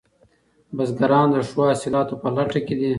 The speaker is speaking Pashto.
بزګران د ښو حاصلاتو په لټه کې دي.